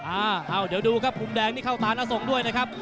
อ้าวเดี๋ยวดูครับมุมแดงนี่เข้าตาน้าส่งด้วยนะครับ